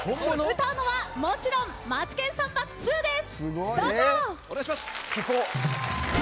歌うのは、もちろん「マツケンサンバ２」です。